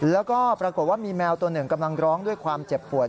แล้วก็ปรากฏว่ามีแมวตัวหนึ่งกำลังร้องด้วยความเจ็บปวด